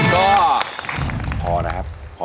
ก็พอนะครับพอไหมครับ